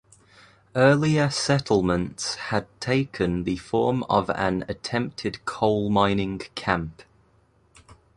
Earlier settlements had taken the form of an attempted coal mining camp.